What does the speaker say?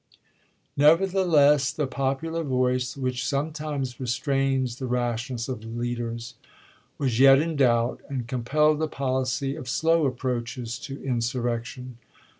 Nevertheless, the popular voice, which sometimes restrains the rashness of leaders, was yet in doubt, and compelled a policy of slow approaches to insur rection.